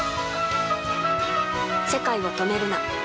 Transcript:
世界を、止めるな。